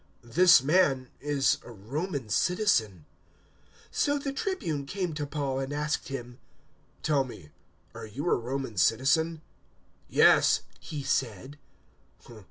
"This man is a Roman citizen." 022:027 So the Tribune came to Paul and asked him, "Tell me, are you a Roman citizen?" "Yes," he said.